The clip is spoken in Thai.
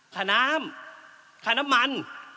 ค่าน้ำค่าน้ำมัน